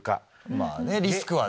まぁねリスクはね。